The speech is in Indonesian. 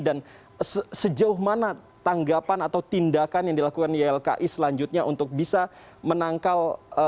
dan sejauh mana tanggapan atau tindakan yang dilakukan ilki selanjutnya untuk bisa menangkal